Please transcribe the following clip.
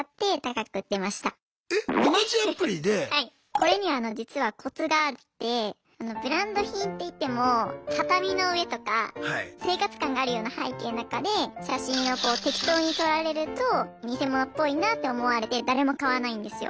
これには実はコツがあってブランド品っていっても畳の上とか生活感があるような背景の中で写真をこう適当に撮られるとニセモノっぽいなって思われて誰も買わないんですよ。